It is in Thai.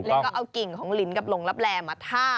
แล้วก็เอากิ่งของลิ้นกับหลงลับแลมาท่า